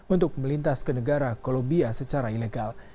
untuk melintas ke negara kolombia secara ilegal